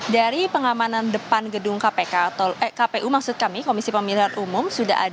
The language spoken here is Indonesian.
dari pengamanan depan gedung kpu maksud kami komisi pemilikan umum